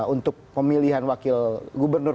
untuk pemilihan wakil gubernur